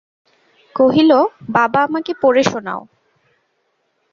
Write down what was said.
কহিল, বাবা, আমাকে পড়ে শোনাও।